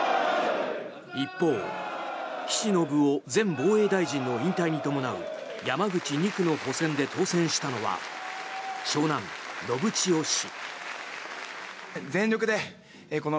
一方岸信夫前防衛大臣の引退に伴う山口２区の補選で当選したのは長男・信千世氏。